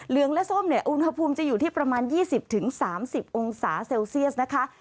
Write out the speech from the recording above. งและส้มเนี่ยอุณหภูมิจะอยู่ที่ประมาณ๒๐๓๐องศาเซลเซียสนะคะ